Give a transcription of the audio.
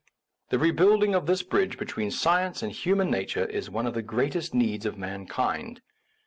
The rebuilding of this bridge between science and human na ture is one of the greatest needs of man kind.